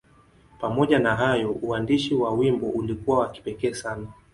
Pamoja na hayo, uandishi wa wimbo ulikuwa wa kipekee sana.